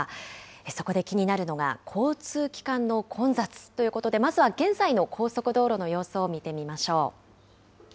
そこで気になるのが、交通機関の混雑ということで、まずは現在の高速道路の様子を見てみましょう。